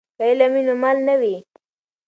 که علم وي نو مال نه وي.